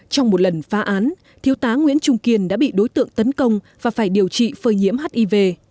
trong một lần phá án thiếu tá nguyễn trung kiên đã bị đối tượng tấn công và phải điều trị phơi nhiễm hiv